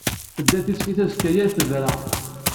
Tedda tislit azekka-yan tebra.